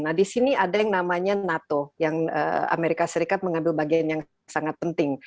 nah di sini ada yang namanya nato yang amerika serikat mengambil bagian yang sangat penting